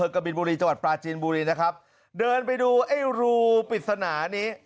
กะบินบุรีจังหวัดปลาจีนบุรีนะครับเดินไปดูไอ้รูปริศนานี้